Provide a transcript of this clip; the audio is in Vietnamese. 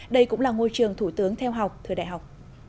đây cũng là ngôi trường thủ tướng theo học thời đại học